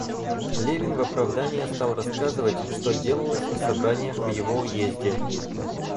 Левин в оправдание стал рассказывать, что делалось на собраниях в его уезде.